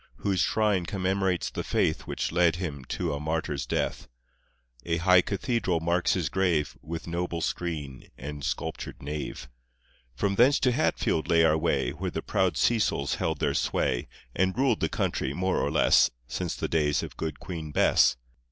Whose shrine commemorates the faith Which led him to a martyr's death. A high cathedral marks his grave, With noble screen and sculptured nave. From thence to Hatfield lay our way, Where the proud Cecils held their sway, And ruled the country, more or less, Since the days of Good Queen Bess.